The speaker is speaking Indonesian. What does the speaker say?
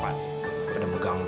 daripada megang lo